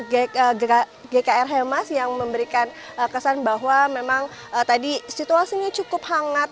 ya mau terus lho ibu ya itu adalah gkr hemas yang memberikan kesan bahwa memang tadi situasinya cukup hangat